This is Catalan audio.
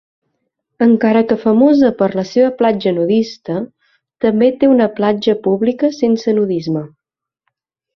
Encara que famosa per la seva platja nudista, també té una platja pública sense nudisme.